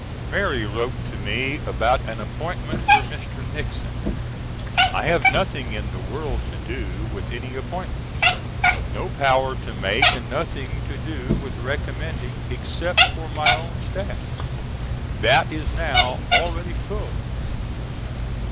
Mary wrote to me about an appointment for Mr. Nixon. I have nothing in the world to do with any appointments, no power to make and nothing to do with recommending except for my own staff. That is now already full.